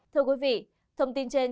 thưa quý vị thông tin trên